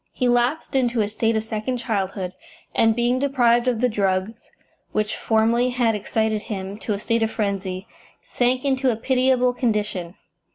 He lapsed into a state of second childhood, and, being deprived of the drugs which formerly had excited him to a state of frenzy, sank into a pitiable condition.